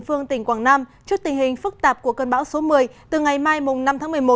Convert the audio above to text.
phương tỉnh quảng nam trước tình hình phức tạp của cơn bão số một mươi từ ngày mai năm tháng một mươi một